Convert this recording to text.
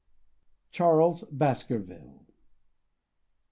Charles Baskerville.